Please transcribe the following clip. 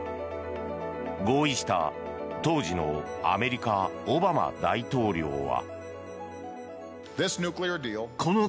合意した当時のアメリカ、オバマ大統領は。